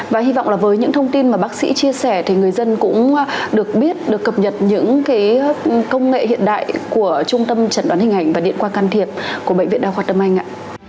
và hy vọng là với những thông tin mà bác sĩ chia sẻ thì người dân cũng được biết được cập nhật những công nghệ hiện đại của trung tâm chẩn đoán hình ảnh và điện qua can thiệp của bệnh viện đa khoa tâm anh ạ